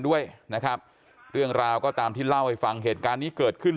ด้วยนะครับเรื่องราวก็ตามที่เล่าให้ฟังเหตุการณ์นี้เกิดขึ้น